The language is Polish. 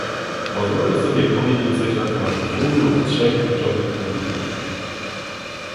Pozwolę sobie powiedzieć coś na temat dwóch lub trzech kluczowych punktów